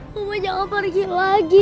mama jangan pergi lagi